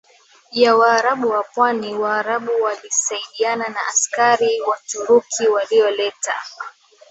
ya Waarabu wa pwani Waarabu walisaidiana na askari Waturuki walioleta